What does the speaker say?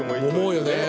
思うよね。